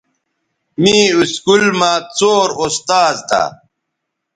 می اسکول مہ څور استاذ تھہ